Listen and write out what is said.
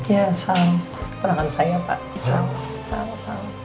ya sal pernah sama saya pak sal sal sal